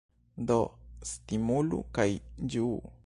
Do stimulu kaj ĝuu!